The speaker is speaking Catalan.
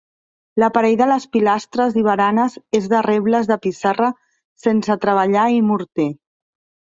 L'aparell de les pilastres i baranes és de rebles de pissarra sense treballar i morter.